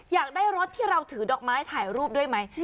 อยากได้รถที่เราถือดอกไม้ถ่ายรูปด้วยไหม